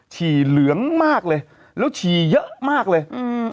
ฉี่เหลืองมากเลยแล้วฉี่เยอะมากเลยอืม